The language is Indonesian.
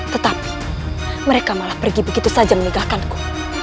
tetapi mereka malah pergi begitu saja meninggalkanku